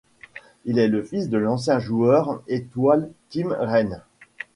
Il est le fils de l'ancien joueur étoile Tim Raines.